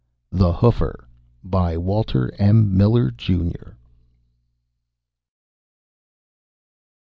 _ the hoofer _by ... Walter M. Miller, Jr.